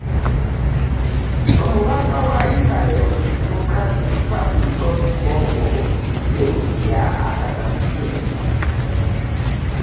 Omubaka wa Yitale mu Democratic Republic of the Congo ye, Luca Attanasio